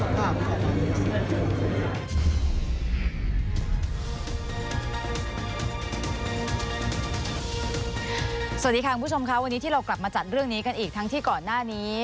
สวัสดีค่ะคุณผู้ชมค่ะวันนี้ที่เรากลับมาจัดเรื่องนี้กันอีกทั้งที่ก่อนหน้านี้